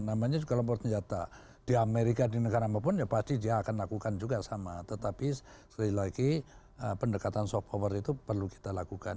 namanya kelompok senjata di amerika di negara apapun ya pasti dia akan lakukan juga sama tetapi sekali lagi pendekatan soft power itu perlu kita lakukan